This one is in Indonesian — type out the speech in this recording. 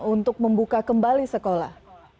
untuk membuka kembali sekolah